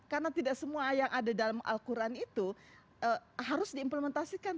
karena tidak semua yang ada dalam al quran itu harus diimplementasikan